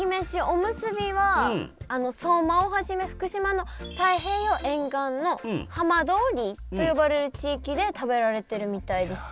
おむすびは相馬をはじめ福島の太平洋沿岸の浜通りと呼ばれる地域で食べられてるみたいです。